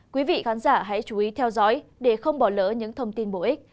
quý vị khán giả hãy chú ý theo dõi để không bỏ lỡ những thông tin bổ ích